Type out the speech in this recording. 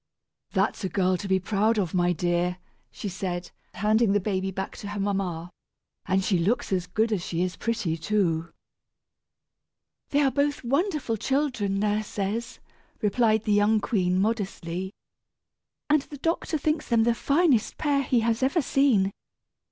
"That's a girl to be proud of, my dear!" she said, handing the baby back to her mamma. "And she looks as good as she is pretty, too." "They are both wonderful children, nurse says," replied the young queen, modestly. "And the doctor thinks them the finest pair he has ever seen.